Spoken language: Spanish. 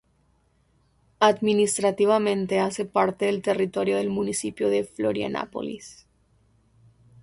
Administrativamente hace parte del territorio del Municipio de Florianópolis.